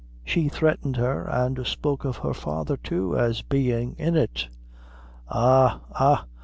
She threatened her, and spoke of her father, too, as bein' in it. Ah, ah!